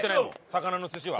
魚の寿司は。